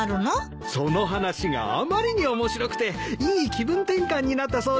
その話があまりに面白くていい気分転換になったそうです。